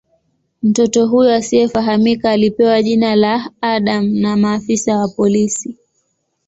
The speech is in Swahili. Mtoto huyu asiyefahamika alipewa jina la "Adam" na maafisa wa polisi.